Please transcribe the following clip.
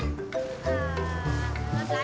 nggak usah nyari